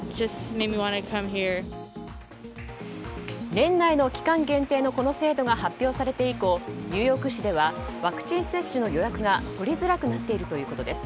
年内の期間限定のこの制度が発表されて以降ニューヨーク市ではワクチン接種の予約が取りづらくなっているということです。